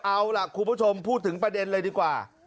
เอาล่ะคุณผู้ชมพูดถึงประเด็นเลยดีกว่า